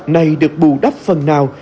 nay được bù đắp phần nào